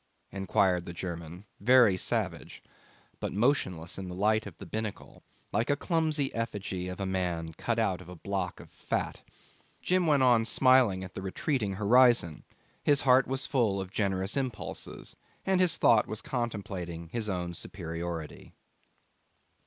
inquired the German, very savage; but motionless in the light of the binnacle, like a clumsy effigy of a man cut out of a block of fat. Jim went on smiling at the retreating horizon; his heart was full of generous impulses, and his thought was contemplating his own superiority.